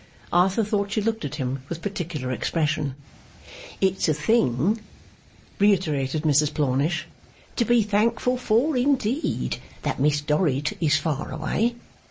Arthur thought she looked at him with particular expression. 'It's a thing,' reiterated Mrs Plornish, 'to be thankful for, indeed, that Miss Dorrit is far away.